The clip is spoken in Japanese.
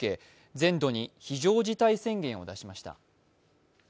全土に非常事態宣言を出しました。